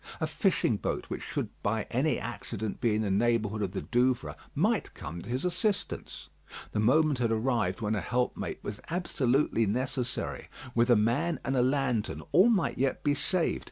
A fishing boat which should by any accident be in the neighbourhood of the Douvres, might come to his assistance. The moment had arrived when a helpmate was absolutely necessary. With a man and a lantern all might yet be saved.